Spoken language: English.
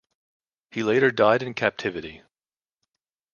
He later died in captivity.